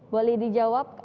boleh dijawab kang vicky